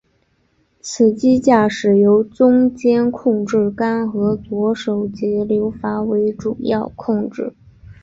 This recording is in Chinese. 此机驾驶由中间控制杆和左手节流阀为主要控制。